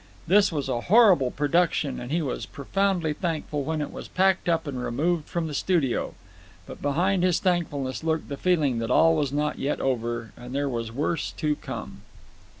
This was a horrible production, and he was profoundly thankful when it was packed up and removed from the studio. But behind his thankfulness lurked the feeling that all was not yet over, that there was worse to come.